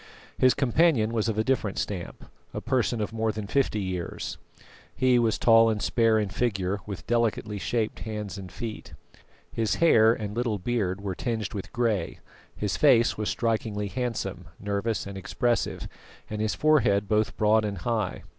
His companion was of a different stamp; a person of more than fifty years, he was tall and spare in figure, with delicately shaped hands and feet. His hair and little beard were tinged with grey, his face was strikingly handsome, nervous and expressive, and his forehead both broad and high.